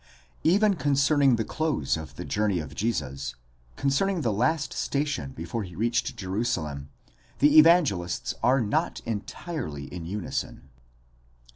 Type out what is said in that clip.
Even concerning the close of the journey of Jesus—concerning the last station before he reached Jerusalem, the Evangelists are not entirely in unison.